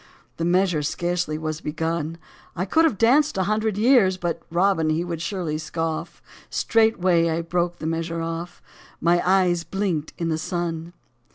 The measure scarcely was begun ; I could have danced a hundred years I But Robin, he would surely scoff — Straightway I broke the measure off : My eyes blinked in the sun.